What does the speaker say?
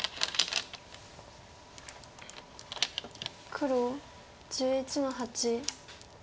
黒１１の八。